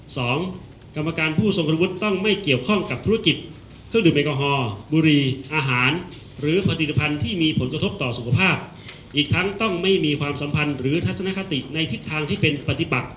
ซึ่งเราขอเสนอคุณสมบัติตรงนี้นะครับ